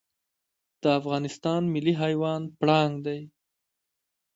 د افغانستان ملي حیوان پړانګ دی